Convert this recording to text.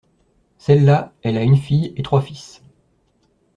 Celle-là elle a une fille et trois fils.